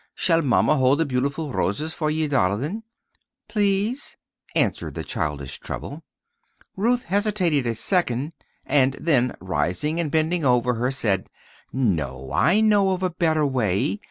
"Shall Mamma hold the beautiful roses for ye, darlint?" "Please," answered the childish treble. Ruth hesitated a second, and then rising and bending over her said, "No; I know of a better way.